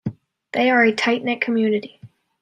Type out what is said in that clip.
They are a tight-knit community